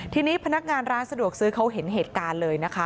ทีนี้พนักงานร้านสะดวกซื้อเขาเห็นเหตุการณ์เลยนะคะ